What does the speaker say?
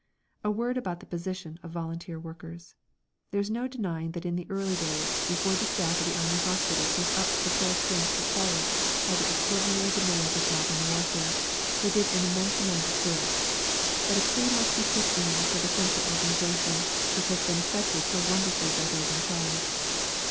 A word about the position of volunteer workers. There is no denying that in the early days, before the staff of the Army hospitals was up to the full strength required by the extraordinary demands of modern warfare, they did an immense amount of good. But a plea must be put in for the central organisation, which has been effected so wonderfully by those in charge.